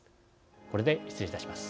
これで失礼いたします。